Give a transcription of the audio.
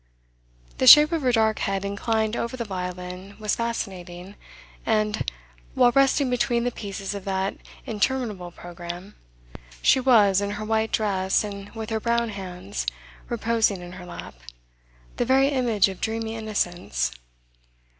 The shape of her dark head inclined over the violin was fascinating, and, while resting between the pieces of that interminable programme she was, in her white dress and with her brown hands reposing in her lap, the very image of dreamy innocence.